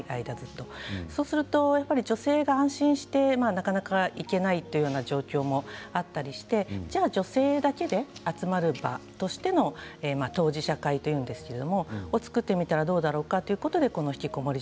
そうすると女性が安心してなかなか行けないという状況もあったりしてじゃあ女性だけが集まる場としての当事者会を作ってみたらどうだろうかということでひきこもり